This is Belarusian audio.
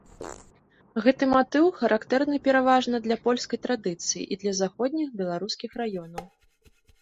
Гэты матыў характэрны пераважна для польскай традыцыі і для заходніх беларускіх раёнаў.